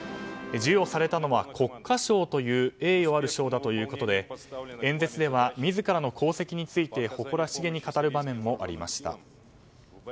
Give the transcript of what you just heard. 授与されたのは国家賞という栄誉ある賞だということで演説では自らの功績について誇らしげに語る場面もありました。